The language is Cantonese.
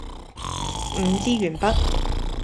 五支鉛筆